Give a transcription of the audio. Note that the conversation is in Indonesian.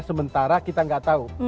sementara kita gak tahu